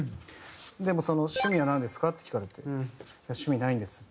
でも「趣味はなんですか？」って聞かれて「趣味ないんです」。